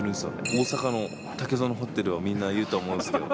大阪の竹園ホテルはみんな言うと思うんですけど。